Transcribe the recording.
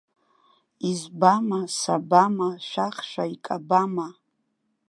Избама, сабама, шәахшәа икабама?